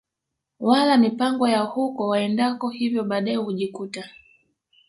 wala mipango ya huko waendako hivyo baadae hujikuta